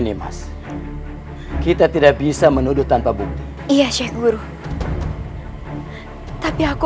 nimas kita tidak bisa menuduh tanpa bukti iya syekh guru tapi aku